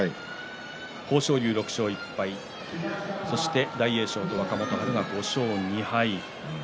豊昇龍、６勝１敗そして大栄翔と若元春が５勝２敗。